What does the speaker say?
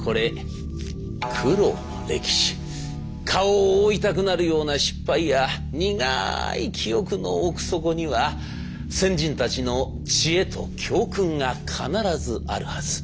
顔を覆いたくなるような失敗や苦い記憶の奥底には先人たちの知恵と教訓が必ずあるはず。